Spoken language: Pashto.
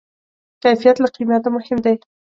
کیفیت له قیمته مهم دی.